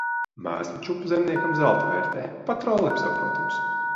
Mēslu čupa zemniekam zelta vērtē. Pat trollim saprotams.